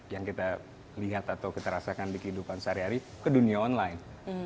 yang kita lihat atau kita rasakan di kehidupan sehari hari ke dunia online